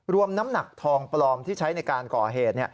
น้ำหนักทองปลอมที่ใช้ในการก่อเหตุ